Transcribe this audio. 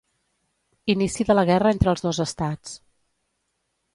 Inici de la guerra entre els dos estats.